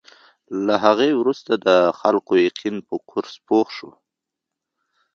له هغې وروسته د خلکو یقین په کورس پوخ شو.